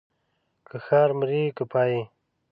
که ښار مرې که پايي.